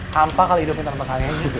hampa kali hidupin rumah saya ini